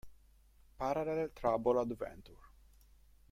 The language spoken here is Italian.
Parallel Trouble Adventure".